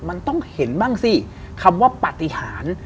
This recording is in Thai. มันต้องเห็นบ้างสิคำว่าปฏิหาร